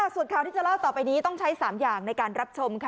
ส่วนค่าวที่จะเล่าต่อไปต้องใช้๓อย่างนะครับ